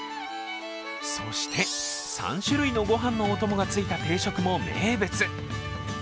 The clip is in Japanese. そして３種類のご飯のおともがついた定食も名物。